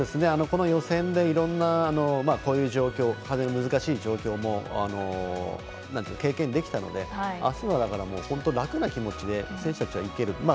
この予選でいろんな、こういう状況風が難しい状況も経験できたので、あすは楽な気持ちで選手たちはいける。